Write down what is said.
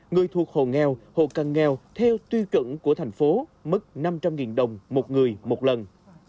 người thuộc hộ nghèo hộ cận nghèo theo tuy chuẩn của thành phố mức năm trăm linh đồng một người một lần